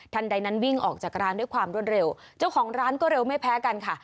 ใดนั้นวิ่งออกจากร้านด้วยความรวดเร็วเจ้าของร้านก็เร็วไม่แพ้กันค่ะ